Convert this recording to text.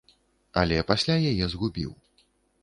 Але пасля яе згубіў.